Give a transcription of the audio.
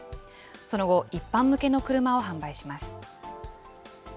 その後、一般向けの車を販売します。